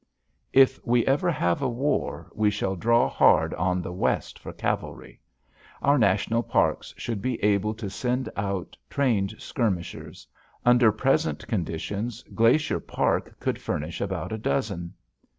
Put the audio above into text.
If we ever have a war, we shall draw hard on the West for cavalry. Our national parks should be able to send out trained skirmishers. Under present conditions Glacier Park could furnish about a dozen.